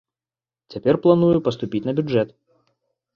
Цяпер планую паступіць на бюджэт.